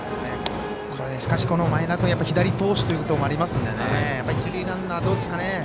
しかし、前田君左投手ということがありますので一塁ランナーどうですかね。